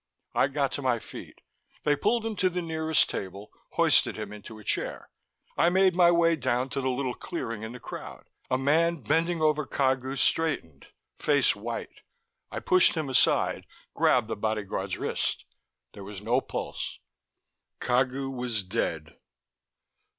I got to my feet. They pulled him to the nearest table, hoisted him into a chair. I made my way down to the little clearing in the crowd. A man bending over Cagu straightened, face white. I pushed him aside, grabbed the bodyguard's wrist. There was no pulse. Cagu was dead.